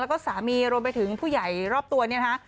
และก็สามีลงไปถึงผู้ใหญ่รอบตัวนี้นะคะ